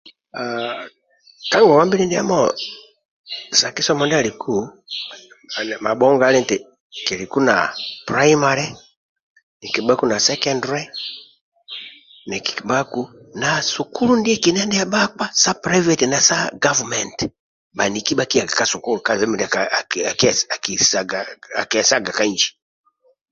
Ka ngongwa mbili ndiamo sa kisomo ndia aliku ali mabhonga ali nti kiliku na pulaimale nikikibhaku na sekendule nikikibhaku na sukulu nduetolo ndia bhakpa sa pulauveti na sa gavumenti bhaniki bhakiyaga ka suku kalibe mindia akiesaga ka inji